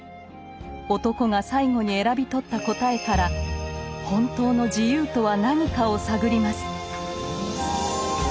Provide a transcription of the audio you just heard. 男が最後に選び取った答えから本当の「自由」とは何かを探ります。